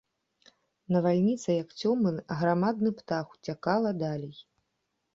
Навальніца, як цёмны аграмадны птах, уцякала далей.